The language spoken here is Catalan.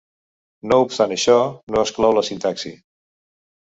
No obstant això, no exclou la sintaxi.